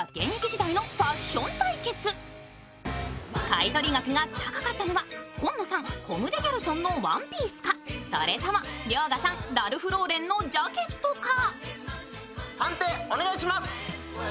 買い取り額が高かったのは紺野さん、コム・デ・ギャルソンのワンピースかそれとも遼河さん、ラルフローレンのジャケットか？